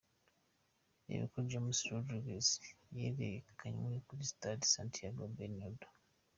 Reba uko James Rodríguez yerekanywe kuri stade Santiago Bernabeu.